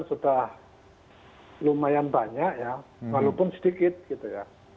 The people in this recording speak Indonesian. sudah lumayan banyak ya walaupun sedikit gitu ya